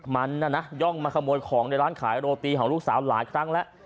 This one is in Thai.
มันน่ะนะย่องมาขโมยของในร้านขายโรตีของลูกสาวหลายครั้งแล้ว